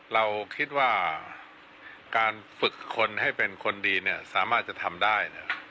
เราคิดว่าการฝึกคนให้เป็นคนดีเนี่ยสามารถจะทำได้